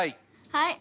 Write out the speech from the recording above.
はい。